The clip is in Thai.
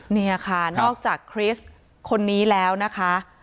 นี่ค่ะนอกจากคริสต์คนนี้แล้วนะคะ